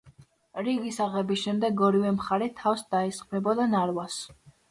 რიგის აღების შემდეგ ორივე მხარე თავს დაესხმებოდა ნარვას.